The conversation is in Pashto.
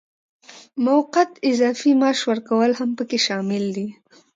موقت اضافي معاش ورکول هم پکې شامل دي.